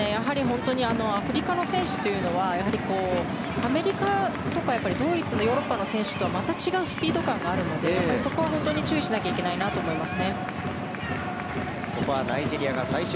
アフリカの選手というのはアメリカとかドイツのヨーロッパの選手とはまた違うスピード感があるのでそこは本当に注意しないといけないなと思います。